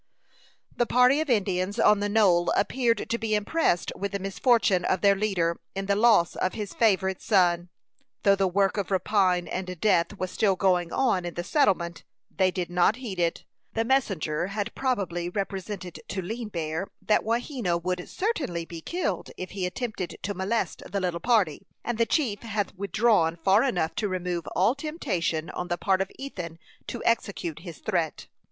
The party of Indians on the knoll appeared to be impressed with the misfortune of their leader in the loss of his favorite son. Though the work of rapine and death was still going on in the settlement, they did not heed it. The messenger had probably represented to Lean Bear that Wahena would certainly be killed if he attempted to molest the little party, and the chief had withdrawn far enough to remove all temptation on the part of Ethan to execute his threat.